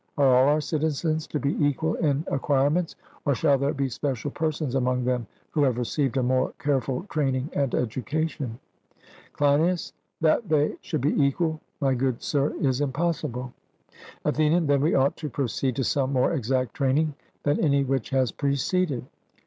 Are all our citizens to be equal in acquirements, or shall there be special persons among them who have received a more careful training and education? CLEINIAS: That they should be equal, my good sir, is impossible. ATHENIAN: Then we ought to proceed to some more exact training than any which has preceded.